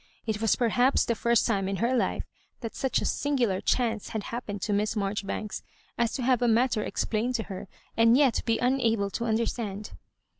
It was perhaps the first time in her life that such a singular chance had happened to Miss Marjoribanks, as to have a matter explained to her, and yet be unable to understand.